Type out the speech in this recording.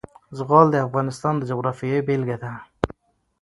زغال د افغانستان د جغرافیې بېلګه ده.